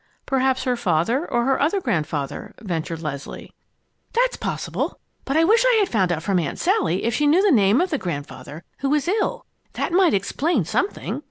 "Perhaps her father or her other grandfather," ventured Leslie. "That's possible; but I wish I had found out from Aunt Sally if she knew the name of the grandfather who is ill. That might explain something.